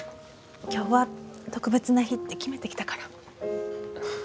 今日は特別な日って決めて来たから。